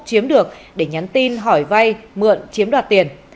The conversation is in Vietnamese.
chiếm được để nhắn tin hỏi vay mượn chiếm đoạt tiền